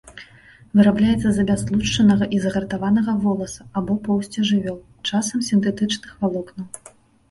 Вырабляецца з абястлушчанага і загартаванага воласа або поўсці жывёл, часам сінтэтычных валокнаў.